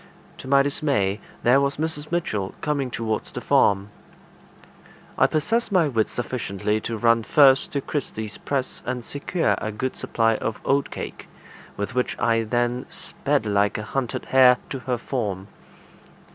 To my dismay, there was Mrs. Mitchell coming towards the farm. I possessed my wits sufficiently to run first to Kirsty's press and secure a good supply of oatcake, with which I then sped like a hunted hare to her form.